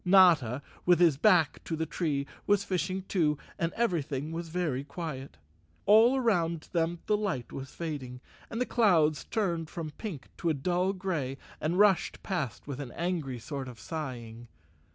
Notta, with his back to the tree, was fishing too, and everything was very quiet. All around them the light was fading, and the clouds turned from pink to a dull gray and rushed past with an angry sort of sighing.